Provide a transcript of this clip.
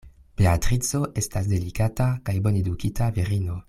Beatrico estas delikata kaj bonedukita virino.